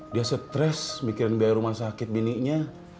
dia stres mikirin biaya rumah sakit bininya